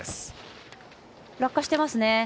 落下してますね。